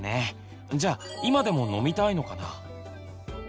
じゃあ今でも飲みたいのかな？